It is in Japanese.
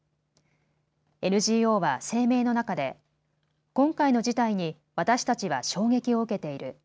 ＮＧＯは声明の中で今回の事態に私たちは衝撃を受けている。